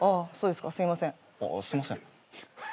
すいません。